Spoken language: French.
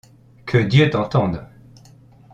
Que Dieu t’entende !